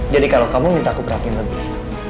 jadi kalau kamu minta aku perhatiin lebih